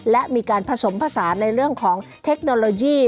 และมีการผสมผสานในเรื่องของเทคโนโลยี